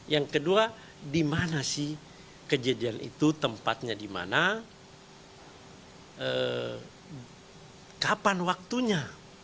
yang kedua di mana sih kejadian itu tempatnya di mana kapan waktunya